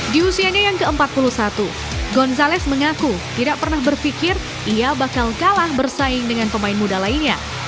di usianya yang ke empat puluh satu gonzalez mengaku tidak pernah berpikir ia bakal kalah bersaing dengan pemain muda lainnya